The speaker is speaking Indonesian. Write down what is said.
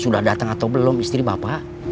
sudah datang atau belum istri bapak